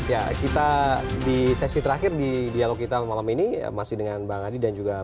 ya kita di sesi terakhir di dialog kita malam ini masih dengan mbak ngadi dan mbak irma